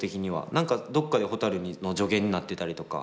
何かどっかでほたるの助言になってたりとか